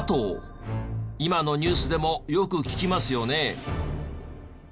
今のニュースでもよく聞きますよね。